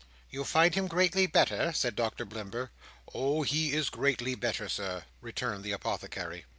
"You find him greatly better?" said Doctor Blimber. "Oh! he is greatly better, Sir," returned the Apothecary.